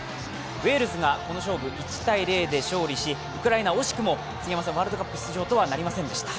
ウェールズがこの勝負、１−０で勝利し、ウクライナ、惜しくも杉山さん、ワールドカップ出場とはなりませんでした。